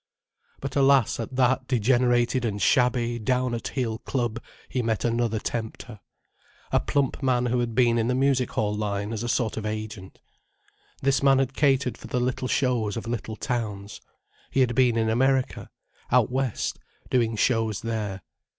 But alas, at that degenerated and shabby, down at heel club he met another tempter: a plump man who had been in the music hall line as a sort of agent. This man had catered for the little shows of little towns. He had been in America, out West, doing shows there.